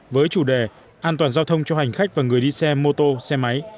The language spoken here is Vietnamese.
với chủ đề an toàn giao thông cho hành khách và người đi xe mô tô xe máy